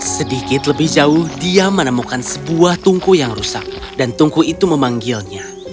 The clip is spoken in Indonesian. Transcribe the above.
sedikit lebih jauh dia menemukan sebuah tungku yang rusak dan tungku itu memanggilnya